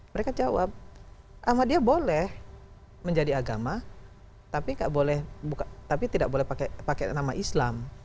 mereka jawab ahmadiyah boleh menjadi agama tapi tidak boleh pakai nama islam